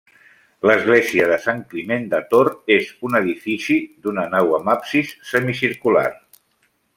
L'església de Sant Climent de Tor és un edifici d'una nau amb absis semicircular.